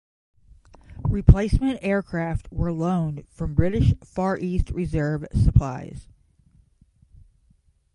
Replacement aircraft were loaned from British Far East reserve supplies.